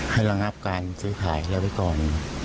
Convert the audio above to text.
ให้ระงับการซื้อขายแล้วไปก่อน